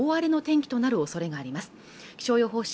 気象予報士